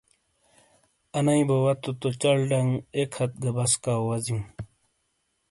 آنئی بوو تو تو چل ڈنگ اک ہتھ گہ بسکاؤ وزیوں۔